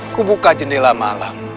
ku buka jendela malam